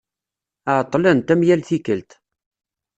Ԑeṭṭlent, am yal tikelt.